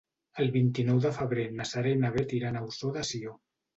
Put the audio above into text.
El vint-i-nou de febrer na Sara i na Bet iran a Ossó de Sió.